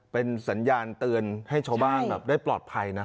เป็นสัญญาณเตือนให้ชาวบ้านแบบได้ปลอดภัยนะ